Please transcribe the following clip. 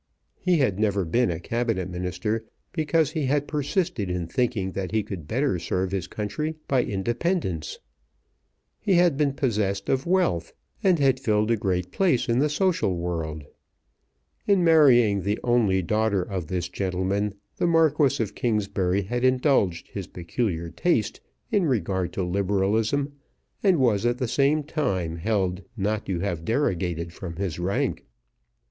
He had never been a Cabinet Minister, because he had persisted in thinking that he could better serve his country by independence. He had been possessed of wealth, and had filled a great place in the social world. In marrying the only daughter of this gentleman the Marquis of Kingsbury had indulged his peculiar taste in regard to Liberalism, and was at the same time held not to have derogated from his rank.